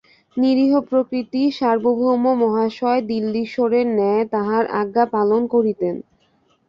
নিরীহপ্রকৃতি সার্বভৌম মহাশয় দিল্লীশ্বরের ন্যায় তাঁহার আজ্ঞা পালন করিতেন।